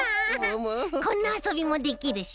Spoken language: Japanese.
こんなあそびもできるし。